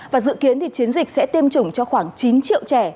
và dự kiến thì chiến dịch sẽ tiêm chủng cho khoảng chín triệu trẻ